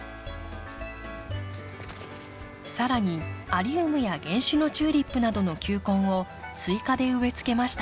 更にアリウムや原種のチューリップなどの球根を追加で植えつけました。